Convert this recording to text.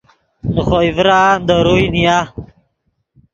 نے خوئے ڤران دے روئے نیا